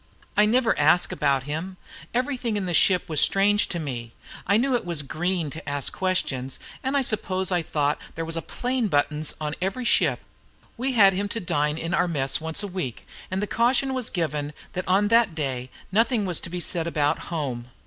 I never asked about him. Everything in the ship was strange to me. I knew it was green to ask questions, and I suppose I thought there was a "Plain Buttons" on every ship. We had him to dine in our mess once a week, and the caution was given that on that day nothing was to be said about home.